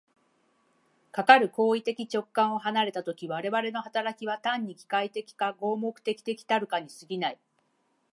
かかる行為的直観を離れた時、我々の働きは単に機械的か合目的的たるかに過ぎない。